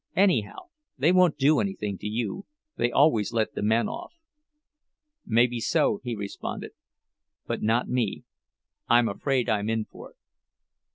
Anyhow, they won't do anything to you. They always let the men off." "Maybe so," he responded, "but not me—I'm afraid I'm in for it."